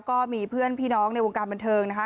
ก็มีเพื่อนพี่น้องในวงการบันเทิงนะคะ